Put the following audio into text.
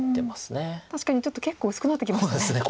確かにちょっと結構薄くなってきましたね。